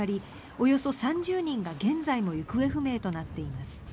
およそ３０人が現在も行方不明となっています。